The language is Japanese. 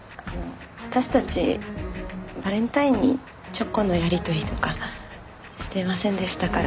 私たちバレンタインにチョコのやり取りとかしてませんでしたから。